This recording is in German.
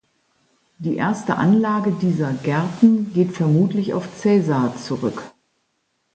Die erste Anlage dieser „Gärten“ geht vermutlich auf Caesar zurück.